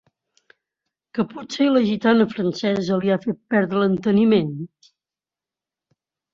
¿Que potser la gitana francesa li ha fet perdre l'enteniment?